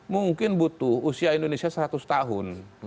mungkin butuh usia indonesia seratus tahun